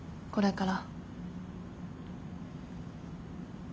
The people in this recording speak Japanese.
これから。